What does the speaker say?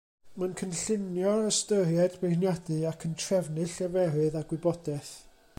Mae'n cynllunio, ystyried, beirniadu, ac yn trefnu lleferydd a gwybodaeth.